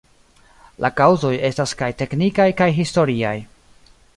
La kaŭzoj estas kaj teknikaj kaj historiaj.